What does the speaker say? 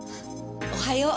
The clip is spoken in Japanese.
おはよう。